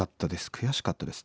悔しかったです」。